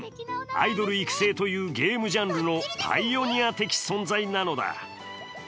アイドル育成というゲームジャンルのパイオニア的存在なのだ。